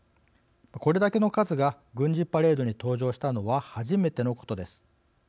これだけの数が軍事パレードに登場したのは初めてのことです。